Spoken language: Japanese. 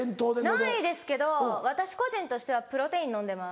ないですけど私個人としてはプロテイン飲んでます。